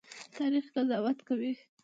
تاریخ قضاوت کوي